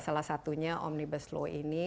salah satunya omnibus law ini